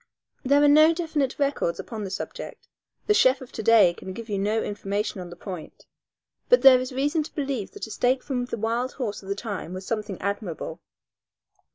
There are no definite records upon the subject; the chef of to day can give you no information on the point, but there is reason to believe that a steak from the wild horse of the time was something admirable.